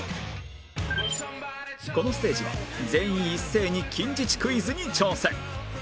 このステージは全員一斉に近似値クイズに挑戦